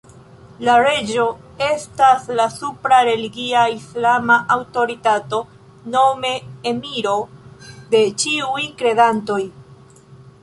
La reĝo estas la supra religia islama aŭtoritato, nome Emiro de ĉiuj kredantoj.